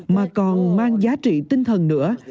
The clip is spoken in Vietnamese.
mà còn mang giá trị tinh thần nữa